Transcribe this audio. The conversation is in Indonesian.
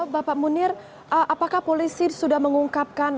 bapak munir apakah polisi sudah mengungkapkan